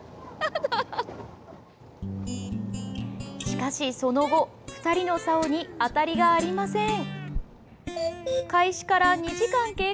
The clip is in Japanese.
しかし、その後２人のさおにアタリがありません。